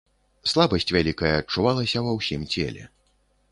Слабасць вялікая адчувалася ва ўсім целе.